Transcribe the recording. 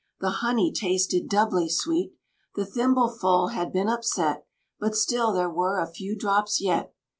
The honey tasted doubly sweet! The thimble full had been upset, But still there were a few drops yet.